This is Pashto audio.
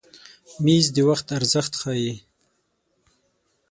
مېز د وخت ارزښت ښیي.